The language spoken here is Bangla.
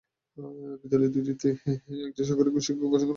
বিদ্যালয় দুটিতে একজন করে সহকারী শিক্ষক প্রেষণে দিয়ে পাঠদান করানো হচ্ছে।